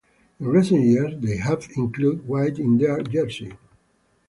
In recent years they have included white in their jersey.